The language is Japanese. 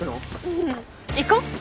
うん行こう。